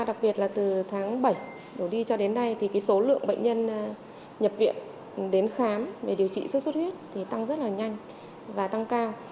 đặc biệt là từ tháng bảy đổ đi cho đến nay thì số lượng bệnh nhân nhập viện đến khám để điều trị xuất xuất huyết thì tăng rất là nhanh và tăng cao